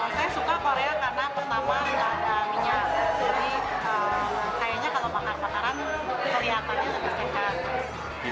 saya suka korea karena pertama tidak ada minyak